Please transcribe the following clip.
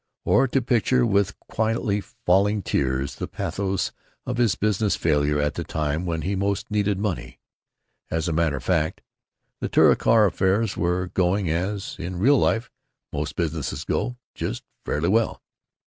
Or to picture with quietly falling tears the pathos of his business failure at the time when he most needed money. As a matter of fact, the Touricar affairs were going as, in real life, most businesses go—just fairly well.